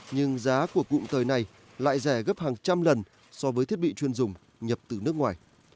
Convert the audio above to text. nhưng giá của cụm tời này lại rẻ gấp hàng trăm lần so với thiết bị chuyên dùng nhập từ nước ngoài